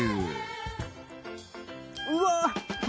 うわ！